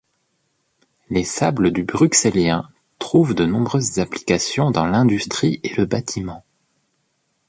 Les sables du Bruxellien trouvent de nombreuses applications dans l'industrie et le bâtiment.